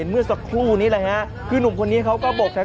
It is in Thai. มิตเตอร์หรือเปล่า